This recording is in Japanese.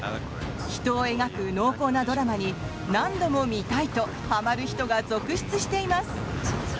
人を描く濃厚なドラマに何度も見たいとハマる人が続出しています。